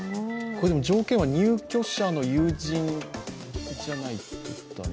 条件は入居者の友人じゃないと？